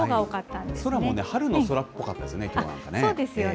空もね、春も空っぽかったですね、きょうはなんかね。